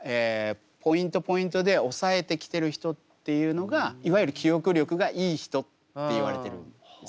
ポイントで押さえてきてる人っていうのがいわゆる記憶力がいい人っていわれてるんですね。